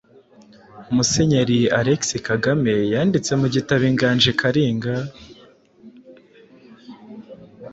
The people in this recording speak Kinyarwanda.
Musenyeri Alexis Kagame yanditse mu gitabo ‘ Inganji Kalinga’.